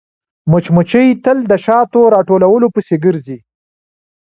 مچمچۍ تل د شاتو راټولولو پسې ګرځي